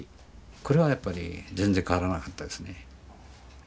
これはやっぱり全然変わらなかったですね。